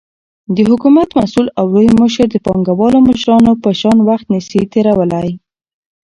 دحكومت مسؤل او لوى مشر دپانگوالو مشرانو په شان وخت نسي تيرولاى،